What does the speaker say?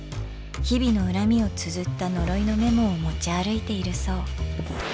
日々の恨みをつづった呪いのメモを持ち歩いているそう。